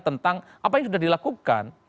tentang apa yang sudah dilakukan